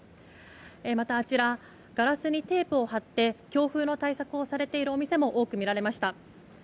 また、ガラスにテープを張って強風の対策をされているお店も多く見られました。